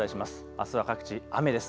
あすは各地雨です。